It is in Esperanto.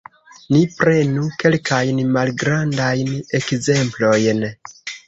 Ni prenu kelkajn malgrandajn ekzemplojn.